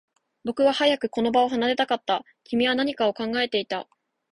僕は早くこの場を離れたかった。君は何かを考えていた。